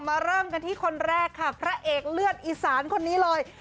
เริ่มกันที่คนแรกค่ะพระเอกเลือดอีสานคนนี้เลย